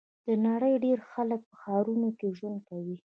د نړۍ ډېری خلک په ښارونو کې ژوند کوي.